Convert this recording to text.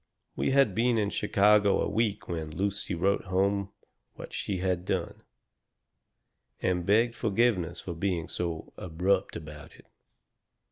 "We had been in Chicago a week when Lucy wrote home what she had done, and begged forgiveness for being so abrupt about it.